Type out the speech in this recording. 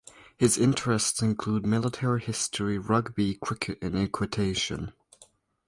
His interests include military history, rugby, cricket and equitation.